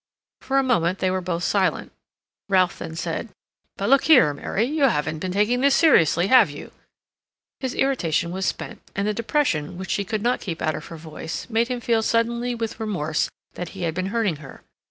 For a moment they were both silent. Ralph then said: "But look here, Mary, you haven't been taking this seriously, have you?" His irritation was spent, and the depression, which she could not keep out of her voice, made him feel suddenly with remorse that he had been hurting her.